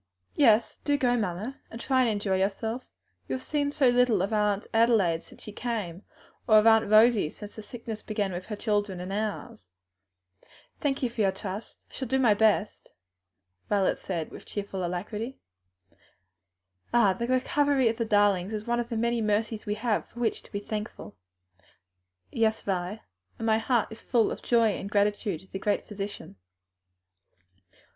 "Yes, do go, mamma, and try to enjoy yourself. You have seen so little of Aunt Adelaide since she came, or of Aunt Rosie, since the sickness began with her children and ours. Thank you for your trust, I shall do my best," Violet said with cheerful alacrity. "Ah, the recovery of the darlings is one of the many mercies we have to be thankful for!" "Yes, Vi, and my heart is full of joy and gratitude to the Great Physician."